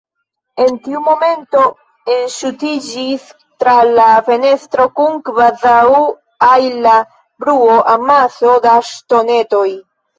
En tiu momento, enŝutiĝis tra la fenestro, kun kvazaŭ-hajla bruo, amaso da ŝtonetoj.